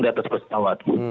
di atas pesawat